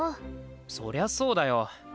そりゃそうだよ。